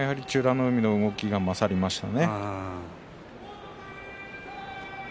海の動きが勝りましたね。